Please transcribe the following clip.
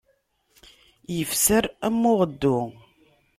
Ifser, am uɣeddu.